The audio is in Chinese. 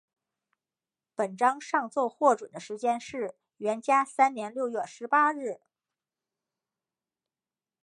本章上奏获准的时间是元嘉三年六月十八日。